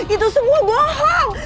itu semua bohong